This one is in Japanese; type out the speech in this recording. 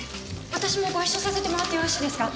私もご一緒させてもらってよろしいですか？